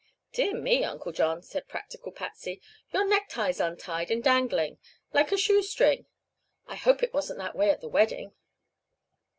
"Dear me, Uncle John," said practical Patsy; "your necktie's untied and dangling; like a shoestring! I hope it wasn't that way at the wedding."